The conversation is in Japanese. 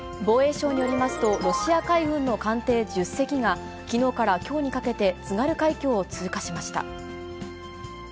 防衛省によりますと、ロシア海軍の艦艇１０隻が、きのうからきょうにかけて、津軽海峡を通過しました。